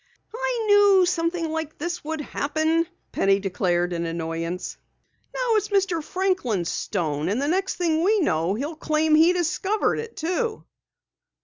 "I knew something like this would happen," Penny declared in annoyance. "Now it's Mr. Franklin's stone, and the next thing we know, he'll claim that he discovered it too!"